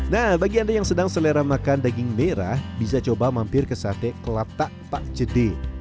nah bagi anda yang sedang selera makan daging merah bisa coba mampir ke sate kelapak pak cede